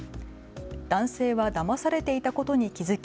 男性はだまされていたことに気付き